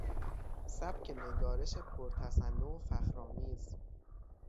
سبک نگارش پر تصنع و فخر آمیز